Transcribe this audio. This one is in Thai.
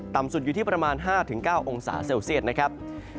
ต่ำสุดอยู่ที่ประมาณ๕๙องศาเซลเซียตนะครับ